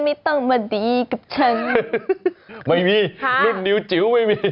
ไม่ต้องมาดีกับฉันไม่มีค่ะรุ่นนิวจิ๋วไม่มี